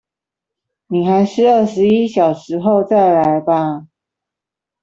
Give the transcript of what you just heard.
你還是二十一小時後再來吧